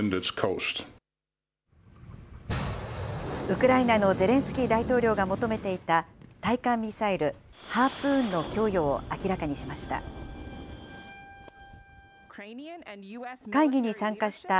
ウクライナのゼレンスキー大統領が求めていた、対艦ミサイル、ハープーンの供与を明らかにしました。